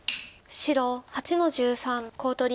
黒８の十二コウ取り。